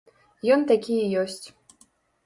Ён такі і ёсць.